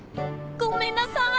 ごめんなさい！